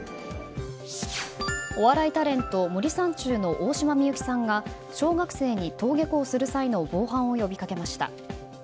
お笑いタレント森三中の大島美幸さんが小学生に登下校する際の防犯を呼びかけました。